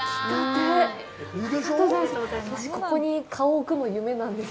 私、ここに顔置くの夢なんです。